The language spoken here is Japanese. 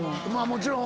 もちろん。